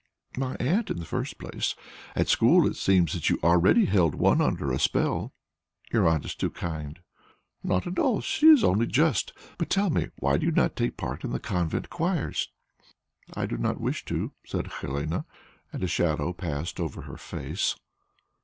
"My aunt in the first place. At school it seems that you already held every one under a spell." "Your aunt is too kind." "Not at all; she is only just. But tell me why do you not take part in the convent choirs?" "I do not wish to," said Helene, and a shadow passed over her face.